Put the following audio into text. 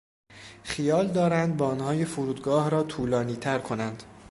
خیال دارند باندهای فرودگاه را طولانیتر کنند.